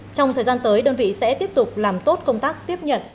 trong thời gian tới đơn vị sẽ tiếp tục làm tốt công tác tiếp nhận